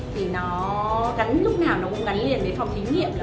thì nó gắn lúc nào nó cũng gắn liền với phòng thí nghiệm